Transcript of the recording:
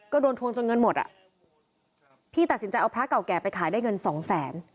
ก็โดนทวงจนเงินหมดอ่ะพี่ตัดสินใจเอาพระเก่าแก่ไปขายได้เงินสองแสน